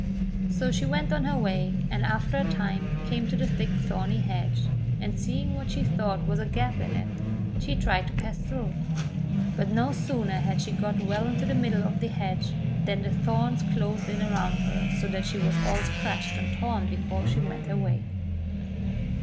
So she went on her way, and after a time came to the thick thorny hedge, and seeing what she thought was a gap in it, she tried to pass through ; but no sooner had she got well into the middle of the hedge than the thorns closed in around her so that she was all scratched and torn before she went her way.